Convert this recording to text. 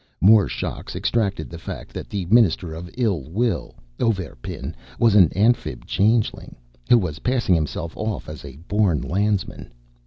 More shocks extracted the fact that the Minister of Ill Will, Auverpin, was an Amphib changeling who was passing himself off as a born Landsman.